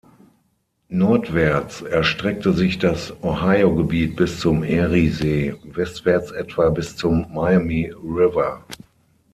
Nordwärts erstreckte sich das Ohiogebiet bis zum Eriesee, westwärts etwa bis zum Miami River.